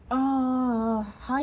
はい。